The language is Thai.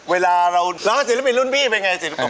เวลาเราล้อโศลปินรุ่นบี้แป่งไปอย่างไร